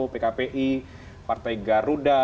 pkpi partai garuda